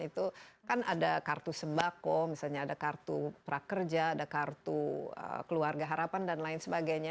itu kan ada kartu sembako misalnya ada kartu prakerja ada kartu keluarga harapan dan lain sebagainya